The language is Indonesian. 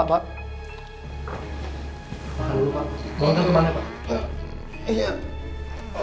gonteng kemana pak